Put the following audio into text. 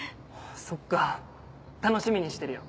そっか楽しみにしてるよ。